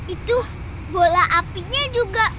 itu bola apinya juga